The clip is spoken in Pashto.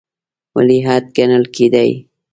ولیعهد ګڼل کېدی.